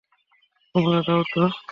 তোমরা যাও তো!